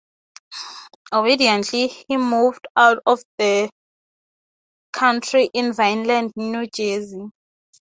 Obediently he moved out to the country in Vineland, New Jersey.